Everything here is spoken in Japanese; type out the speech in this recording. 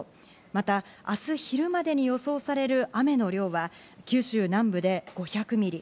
また明日昼までに予想される雨の量は、九州南部で５００ミリ。